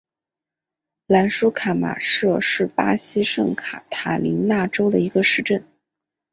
兰舒凯马杜是巴西圣卡塔琳娜州的一个市镇。